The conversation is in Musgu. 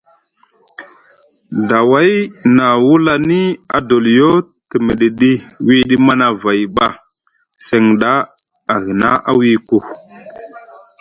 Daway na wulani adoliyo te miɗiɗi wiɗi Manavay ɓa seŋ ɗa ahina wiku.